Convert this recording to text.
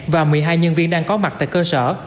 và một mươi hai nhân viên đang có mặt tại cơ sở